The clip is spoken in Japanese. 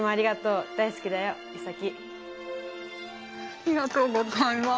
ありがとうございます。